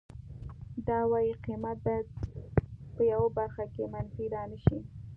د وای قیمت باید په یوه برخه کې منفي را نشي